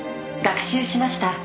「学習しました。